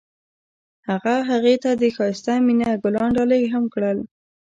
هغه هغې ته د ښایسته مینه ګلان ډالۍ هم کړل.